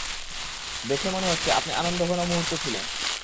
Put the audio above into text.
দেখে মনে হচ্ছে, আপনি আনন্দঘন মুহূর্তে ছিলেন।